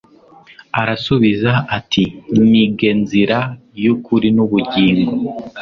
arasubiza ati nige nzira yukuri nubugingo